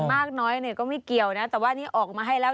มากน้อยเนี่ยก็ไม่เกี่ยวนะแต่ว่านี่ออกมาให้แล้ว